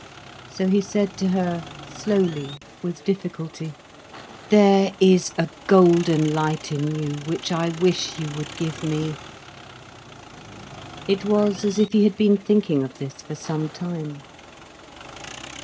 So he said to her, slowly, with difficulty: "There is a golden light in you, which I wish you would give me." It was as if he had been thinking of this for some time.